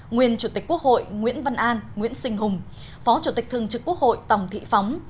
nguyên chủ tịch quốc hội nguyễn văn an nguyễn sinh hùng phó chủ tịch thường trực quốc hội tòng thị phóng